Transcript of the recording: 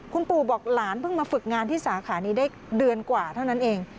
คุณปู่บอกหลานเพิ่งมาฝึกงานที่สาขานี้ได้เดือนกว่าเท่านั้นเอง